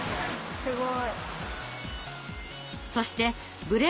すごい。